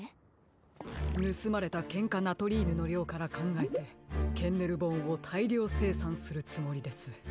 ぬすまれたケンカナトリイヌのりょうからかんがえてケンネルボーンをたいりょうせいさんするつもりです。